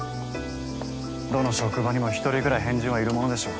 どの職場にも１人ぐらい変人はいるものでしょう。